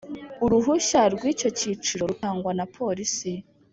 uruhushya rw’ icyo cyiciro rutangwa na Polisi